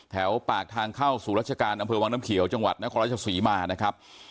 แถวปากทางเข้าสู่ราชการอำเภอวังน้ำเขียวจังหวัดนครราชศรีมานะครับ